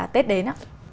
tết đến á